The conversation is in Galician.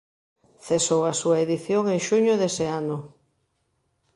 Cesou a súa edición en xuño dese ano.